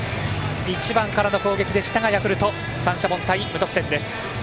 １番からの攻撃でしたがヤクルト三者凡退、無得点です。